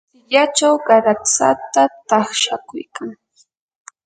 sikyachaw qaratsata taqshakuykayan.